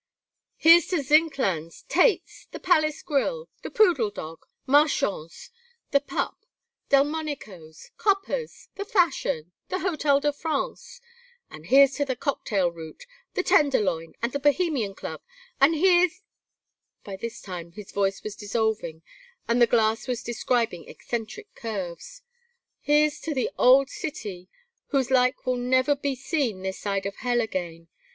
"Here's to Zinkand's, Tait's, The Palace Grill! The Poodle Dog! Marchand's! The Pup! Delmonico's! Coppa's! The Fashion! The Hotel de France! And here's to the Cocktail Route, the Tenderloin, and the Bohemian Club! And here's " By this time his voice was dissolving, and the glass was describing eccentric curves. "Here's to the old city, whose like will never be seen this side of hell again.